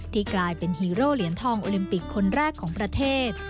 กลายเป็นฮีโร่เหรียญทองโอลิมปิกคนแรกของประเทศ